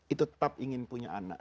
itu tetap ingin punya anak